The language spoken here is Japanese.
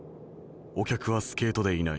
お客はスケートでいない。